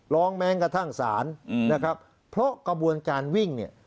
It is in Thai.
แม้กระทั่งศาลนะครับเพราะกระบวนการวิ่งเนี่ย